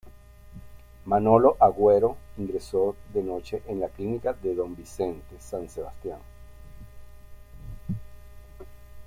Manolo Agüero ingresó de noche en la clínica de don Vicente San Sebastián.